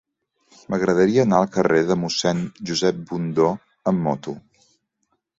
M'agradaria anar al carrer de Mossèn Josep Bundó amb moto.